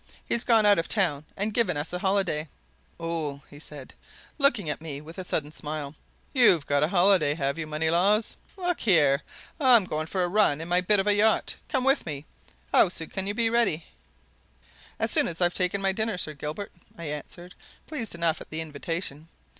"He's gone out of town and given us a holiday." "Oh!" he said, looking at me with a sudden smile. "You've got a holiday, have you, Moneylaws? Look here I'm going for a run in my bit of a yacht come with me! How soon can you be ready?" "As soon as I've taken my dinner, Sir Gilbert," I answered, pleased enough at the invitation.